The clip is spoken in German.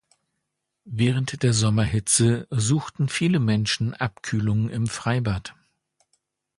Während der Sommerhitze suchten viele Menschen Abkühlung im Freibad,